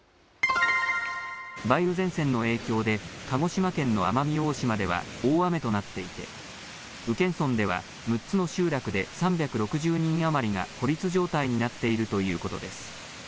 梅雨前線の影響で、鹿児島県の奄美大島では、大雨となっていて、宇検村では、６つの集落で３６０人余りが孤立状態になっているということです。